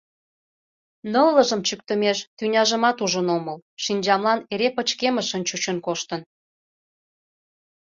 Ныллыжым чӱктымеш, тӱняжымат ужын омыл, шинчамлан эре пычкемышын чучын коштын.